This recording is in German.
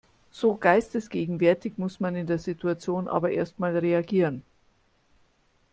So geistesgegenwärtig muss man in der Situation aber erst mal reagieren.